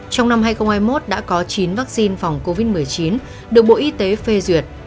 trong năm hai nghìn hai mươi một đã có chín vaccine phòng covid một mươi chín được bộ y tế phê duyệt